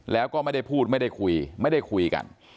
แล้วก็ไม่ได้พูดไม่ได้คุยไม่ได้คุยกัน